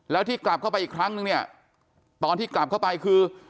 แล้วที่กลับเข้าไปอีกครั้งนึงเนี่ยตอนที่กลับเข้าไปคือ